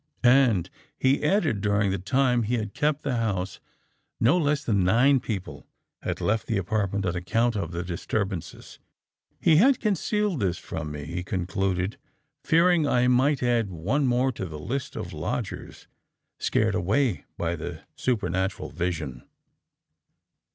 'And,' he added, 'during the time he had kept the house, no less than nine people had left the apartment on account of the disturbances. He had concealed this from me,' he concluded, 'fearing I might add one more to the list of lodgers scared away by the supernatural vision.